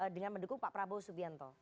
dengan mendukung pak prabowo subianto